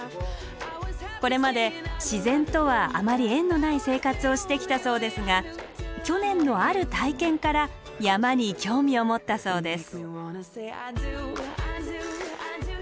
これまで自然とはあまり縁のない生活をしてきたそうですが去年のある体験から山に興味を持ったそうです。